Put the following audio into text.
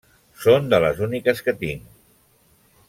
Són de les úniques que tinc…